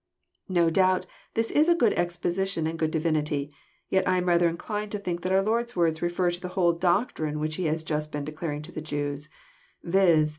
No doubt this is good exposition and good divinity. Yet I am rather Inclined to think that our Lord's words refer to the whole doctrine which He had just been declaring to the Jews : viz..